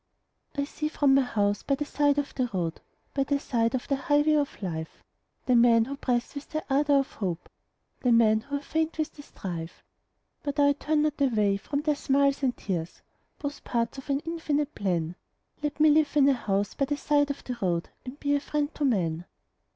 I see from my house by the side of the road By the side of the highway of life, The men who press with the ardor of hope, The men who are faint with the strife, But I turn not away from their smiles and tears, Both parts of an infinite plan Let me live in a house by the side of the road And be a friend to man.